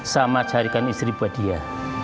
sama carikan istri buat dia